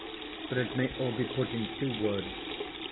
But it may all be put in two words.